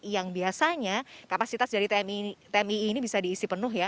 yang biasanya kapasitas dari tmii ini bisa diisi penuh ya